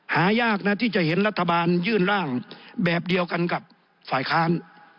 หายากนะที่จะเห็นรัฐบาลยื่นร่างแบบเดียวกันกับฝ่ายค้าน